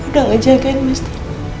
udah ngejagain mesti